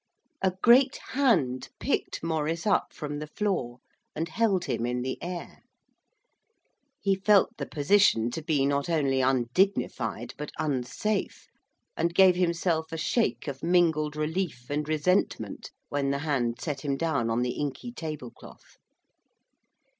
A great hand picked Maurice up from the floor and held him in the air. He felt the position to be not only undignified but unsafe, and gave himself a shake of mingled relief and resentment when the hand set him down on the inky table cloth.